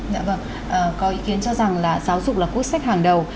dạ vâng có ý kiến cho rằng là giáo dục là quốc sách hàng đầu